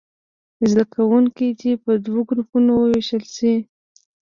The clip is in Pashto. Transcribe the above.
زده کوونکي دې په دوو ګروپونو ووېشل شي.